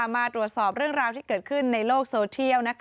มาตรวจสอบเรื่องราวที่เกิดขึ้นในโลกโซเทียล